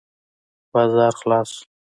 بازار خلاص شو.